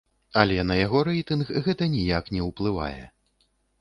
Але на яго рэйтынг гэта ніяк не ўплывае.